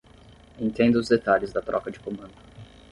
Entenda os detalhes da troca de comando